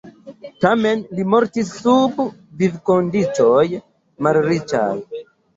Tamen li mortis sub vivkondiĉoj malriĉaj.